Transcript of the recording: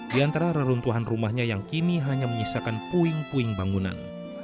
di antara reruntuhan rumahnya yang kini hanya menyisakan puing puing bangunan